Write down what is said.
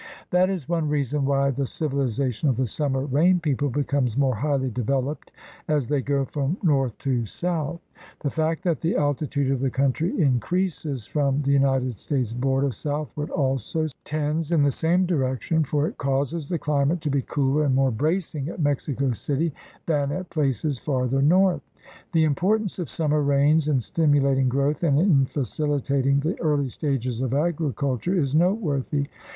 That is one reason why the civil ization of the summer rain people becomes more highly developed as they go from north to south. The fact that the altitude of the country increases THE RED MAN IN AMERICA 149 from the United States border southward also tends in the same direction, for it causes the chmate to be cooler and more bracing at Mexico City than at places farther north. The importance of summer rains in stimulating growth and in facilitating the early stages of agri culture is noteworthy.